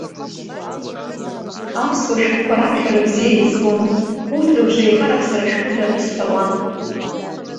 Аԥсуа шәҟәқәа рыԥхьара бзиа избон, урҭ рыбжеиҳарак сара шәҟәыда исҳәауан.